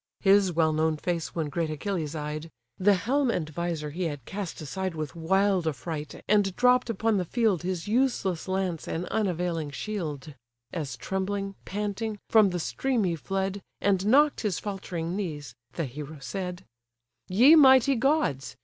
His well known face when great Achilles eyed, (The helm and visor he had cast aside With wild affright, and dropp'd upon the field His useless lance and unavailing shield,) As trembling, panting, from the stream he fled, And knock'd his faltering knees, the hero said: "Ye mighty gods!